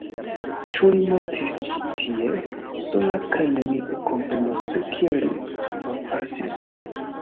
Ĉu li mortos ĉi tie, sola kaj neniu komprenos kiel li forpasis?